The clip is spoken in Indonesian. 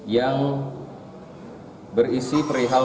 yang berisi perihal